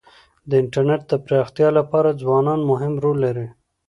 د انټرنيټ د پراختیا لپاره ځوانان مهم رول لري.